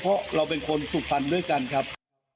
เพราะเราเป็นคนสุพรรณด้วยกันครับ